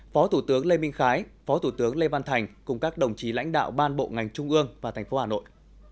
phó thủ tướng lê minh khái phó thủ tướng lê văn thành cùng các đồng chí lãnh đạo ban bộ ngành trung ương và thành phố hà nội